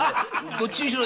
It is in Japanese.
どっちにしろ